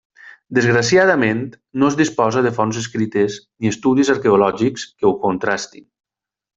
Desgraciadament no es disposa de fonts escrites ni estudis arqueològics que ho contrastin.